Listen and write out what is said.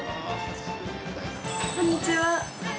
こんにちは。